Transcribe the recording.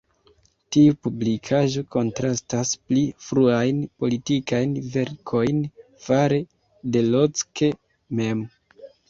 Tiu publikaĵo kontrastas pli fruajn politikajn verkojn fare de Locke mem.